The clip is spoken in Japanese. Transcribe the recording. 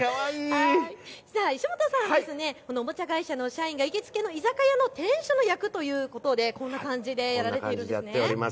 石本さんはおもちゃ会社の社員が行きつけの居酒屋の店主の役ということでこんな感じでやられているんですね。